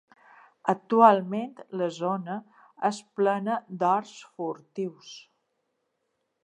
Actualment la zona és plena d'horts furtius.